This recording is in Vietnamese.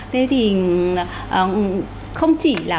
thế thì không chỉ là